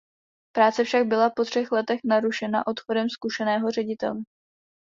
Práce však byla po třech letech narušena odchodem zkušeného ředitele.